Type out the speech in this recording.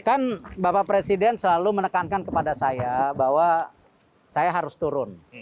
kan bapak presiden selalu menekankan kepada saya bahwa saya harus turun